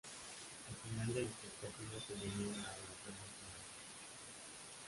Al final del espectáculo, se elimina a Lorraine Lara.